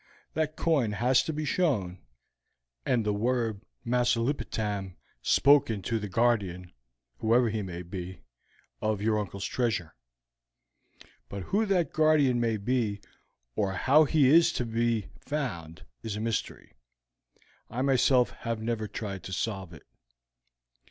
That coin has to be shown, and the word 'Masulipatam' spoken to the guardian, whoever he may be, of your uncle's treasure. But who that guardian may be or how he is to be found is a mystery. I myself have never tried to solve it.